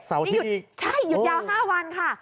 เสาที่อีกโอ้โหโอ้โหใช่หยุดยาว๕วันค่ะ